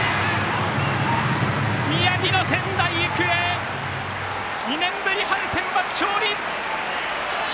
宮城の仙台育英２年ぶり春センバツ勝利。